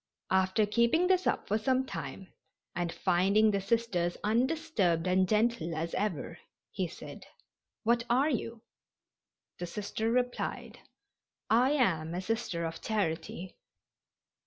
After keeping this up for some time and finding the Sisters undisturbed and gentle as ever, he said, "What are you?" The Sister replied: "I am a Sister of Charity."